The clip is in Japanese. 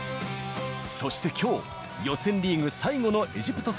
そしてきょう、予選リーグ最後のエジプト戦。